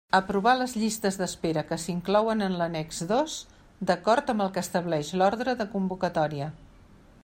Aprovar les llistes d'espera que s'inclouen en l'Annex dos d'acord amb el que estableix l'ordre de convocatòria.